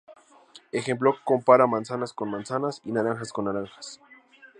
Ejemplo compara "Manzanas con Manzanas" y "Naranjas con Naranjas".